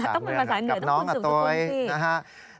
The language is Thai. ต้องเป็นภาษาเหนือต้องคุณสูงสุดคุณพี่